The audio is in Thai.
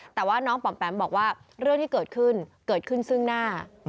แต่ว่าน้องปอมแปมบอกว่าเรื่องที่เกิดขึ้นเกิดขึ้นซึ่งหน้า